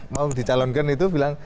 mau dicalonkan itu bilang